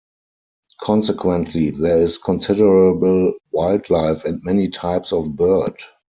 Consequently there is considerable wildlife and many types of bird.